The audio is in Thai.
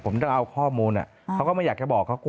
ผมต้องเอาข้อมูล